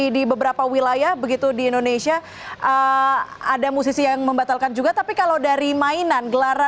di pengunjung di sana